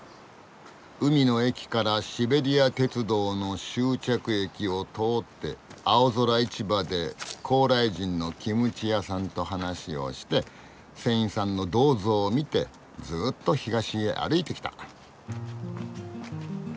「海の駅」から「シベリア鉄道の終着駅」を通って青空市場で高麗人のキムチ屋さんと話をして船員さんの銅像を見てずっと東へ歩いてきた。